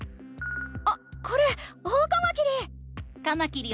あっこれオオカマキリ！